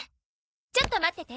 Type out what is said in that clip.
ちょっと待ってて。